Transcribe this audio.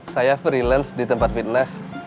saya freelance di tempat fitness